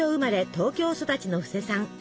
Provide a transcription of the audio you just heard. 東京育ちの布施さん。